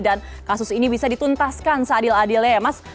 dan kasus ini bisa dituntaskan seadil adil ya mas